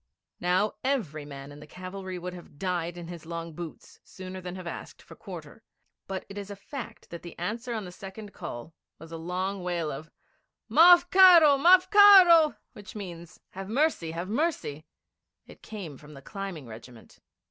Now, every man in the cavalry would have died in his long boots sooner than have asked for quarter; but it is a fact that the answer to the second call was a long wail of 'Marf karo! Marf karo!' which means, 'Have mercy! Have mercy!' It came from the climbing regiment.